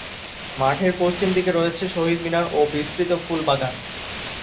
মাঠের পশ্চিম দিকে রয়েছে শহীদ মিনার ও বিস্তৃত ফুল বাগান।